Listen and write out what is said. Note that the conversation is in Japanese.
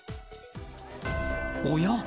おや？